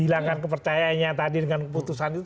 hilangkan kepercayaannya tadi dengan keputusan itu